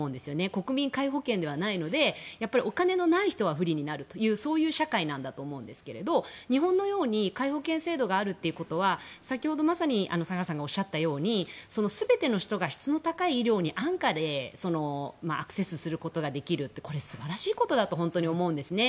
国民皆保険ではないのでやはりお金のない人は不利になるという社会だと思うんですけど日本のように皆保険制度があるということは先ほど、まさに相良さんがおっしゃったように、全ての人が質の高い医療に安価でアクセスすることができるって素晴らしいことだと思うんですね。